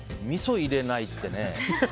みそ入れないってね。